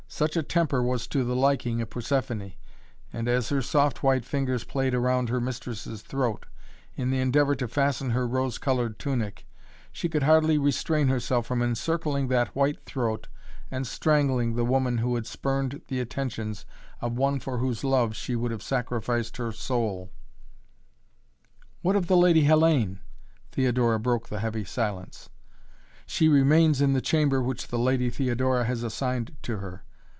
Such a temper was to the liking of Persephoné, and, as her soft white fingers played around her mistress' throat, in the endeavor to fasten her rose colored tunic, she could hardly restrain herself from encircling that white throat and strangling the woman who had spurned the attentions of one for whose love she would have sacrificed her soul. "What of the Lady Hellayne?" Theodora broke the heavy silence. "She remains in the chamber which the Lady Theodora has assigned to her."